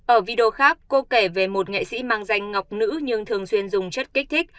ở video khác cô kể về một nghệ sĩ mang danh ngọc nữ nhưng thường xuyên dùng chất kích thích